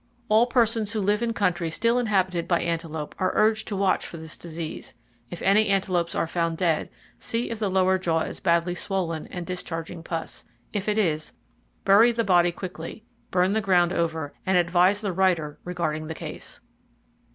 All persons who live in country still inhabited by antelope are urged to watch for this disease. If any antelopes are found dead, see if the lower jaw is badly swollen and discharging pus. If it is, bury the body quickly, burn the ground over, and advise the writer regarding the case.